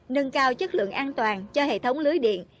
nâng cao chất lượng an toàn cho hệ thống lưới điện